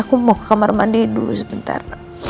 aku mau ke kamar mandi dulu sebentar